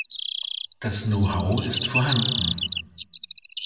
Das Know-how ist vorhanden.